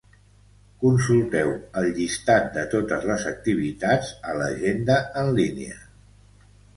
Consulteu el llistat de totes les activitats a l'agenda en línia.